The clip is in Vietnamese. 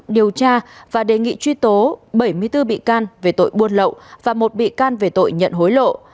điều tra và đề nghị truy tố bảy mươi bốn bị can về tội buôn lậu và một bị can về tội nhận hối lộ